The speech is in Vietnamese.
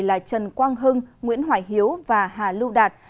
là trần quang hưng nguyễn hoài hiếu và hà lưu đạt